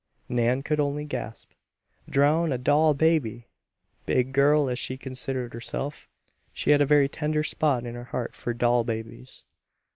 Nan could only gasp. Drown a doll baby! Big girl as she considered herself, she had a very tender spot in her heart for doll babies.